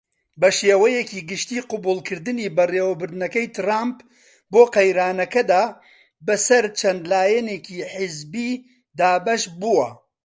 بەشێوەیەکی گشتی قبوڵکردنی بەڕێوبردنەکەی تڕامپ بۆ قەیرانەکەدا بە سەر چەند لایەنێکی حزبی دابەش بووە.